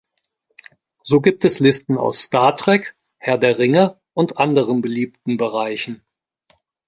So gibt es Listen aus "Star Trek", "Herr der Ringe" und anderen beliebten Bereichen.